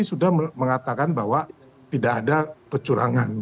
sudah mengatakan bahwa tidak ada kecurangan